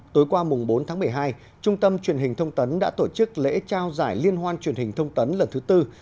tối qua bốn tháng một mươi hai trung tâm truyền hình thông tấn đã tổ chức lễ trao giải liên hoan truyền hình thông tấn lần thứ tư